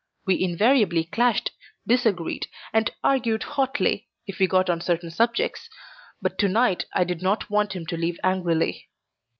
We invariably clashed, disagreed, and argued hotly if we got on certain subjects, but to night I did not want him to leave angrily.